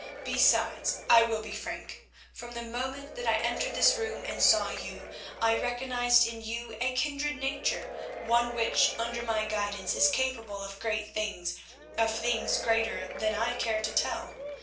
Besides, I will be frank; from the moment that I entered this room and saw you, I recognised in you a kindred nature, one which under my guidance is capable of great things, of things greater than I care to tell.